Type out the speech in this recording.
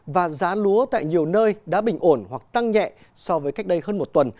và giá lúa tại nhiều nơi đã bình ổn hoặc tăng nhẹ so với cách đây hơn một tuần